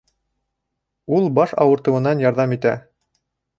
Ул баш ауыртыуынан ярҙам итә